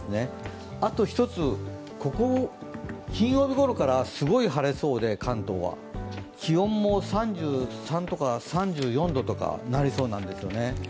あと一つ、金曜日ごろから関東はすごく晴れそうで気温も３３とか３４度とかになりそうなんですよね。